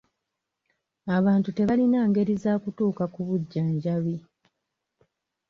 Abantu tebalina ngeri za kutuuka ku bujjanjabi.